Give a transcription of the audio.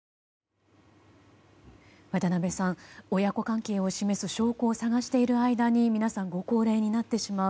渡辺さん、親子関係を示す証拠を探している間に皆さん、ご高齢になってしまう。